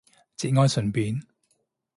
節哀順變